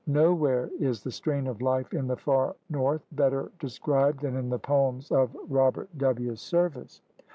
Nowhere is the strain of life in the far north better described than in the poems of Robert W. Service.